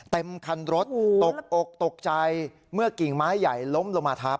เต็มคันรถตกอกตกใจเมื่อกิ่งไม้ใหญ่ล้มลงมาทับ